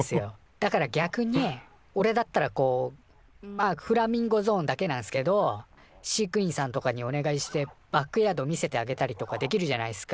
だから逆におれだったらこうまっフラミンゴゾーンだけなんすけど飼育員さんとかにお願いしてバックヤード見せてあげたりとかできるじゃないっすか。